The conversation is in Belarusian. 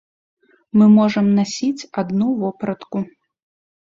Мы можам насіць адну вопратку.